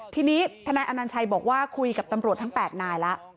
ทีนี้ทนายอนัญชัยบอกว่าคุยกับตำรวจทั้ง๘นายแล้ว